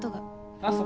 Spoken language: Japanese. あぁそう。